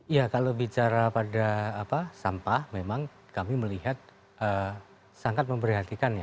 ya kalau bicara pada sampah memang kami melihat sangat memperhatikan ya